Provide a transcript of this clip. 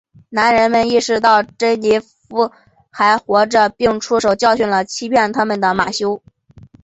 男人们意识到珍妮佛还活着并出手教训了欺骗他们的马修。